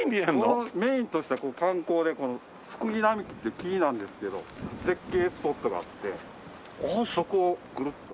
ここのメインとしては観光でフクギ並木っていう木なんですけど絶景スポットがあってそこをぐるっと。